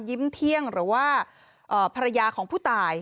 เที่ยงหรือว่าภรรยาของผู้ตาย